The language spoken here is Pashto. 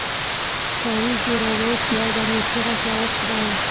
تاويز يې راوايست يو دم يې چيغه کړه وه خدايه.